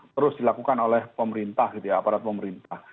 terus dilakukan oleh pemerintah gitu ya aparat pemerintah